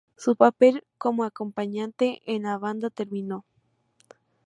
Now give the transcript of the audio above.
Su papel como acompañante en la banda terminó.